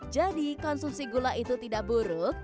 jadi konsumsi gula itu tidak buruk